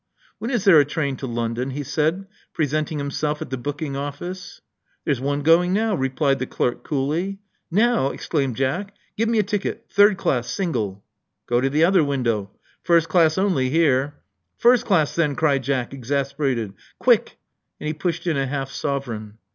'*When is there a train to London?" he said, pre senting himself at the booking office. There's one going now," replied the clerk coolly. Now!" exclaimed Jack. Give me a ticket — third class — single." Go to the other window. First class only here. "First class, then," cried Jack, exasperated. Quick. " And he pushed in a half sovereign.